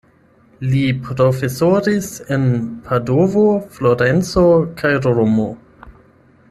Li profesoris en Padovo, Florenco kaj Romo.